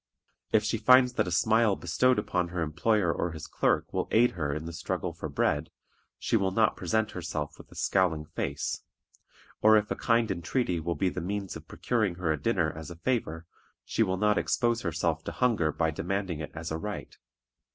If she finds that a smile bestowed upon her employer or his clerk will aid her in the struggle for bread, she will not present herself with a scowling face; or if a kind entreaty will be the means of procuring her a dinner as a favor, she will not expose herself to hunger by demanding it as a right.